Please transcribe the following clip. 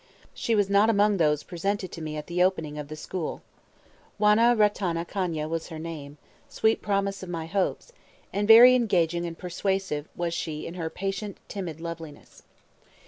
She was not among those presented to me at the opening of the school. Wanne Ratâna Kania was her name ("Sweet Promise of my Hopes"), and very engaging and persuasive was she in her patient, timid loveliness.